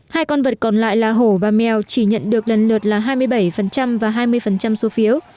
hai con vật còn lại là hổ và mèo chỉ nhận được lần lượt là hai mươi bảy và hai mươi số phiếu